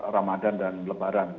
ramadhan dan lebaran